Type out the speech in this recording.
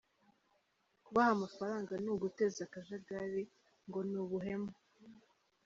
Kubaha amafaranga ni uguteza akajagari, ngo ni n’ubuhemu.